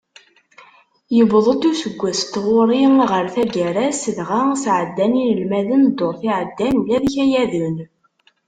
Yewweḍ-d useggas n tɣuri ɣer taggara-s, dɣa sεeddan yinelmaden ddurt iεeddan ula d ikayaden.